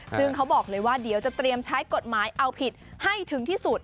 ซึ่งเขาบอกเลยว่าเดี๋ยวจะเตรียมใช้กฎหมายเอาผิดให้ถึงที่สุด